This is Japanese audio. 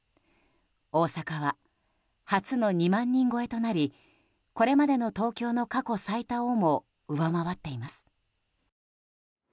大阪は初の２万人超えとなりこれまでの東京の過去最多をも上回っています。